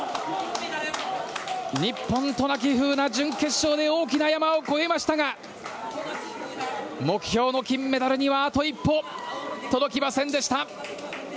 日本、渡名喜風南準決勝で大きな山を越えましたが目標の金メダルにはあと一歩届きませんでした。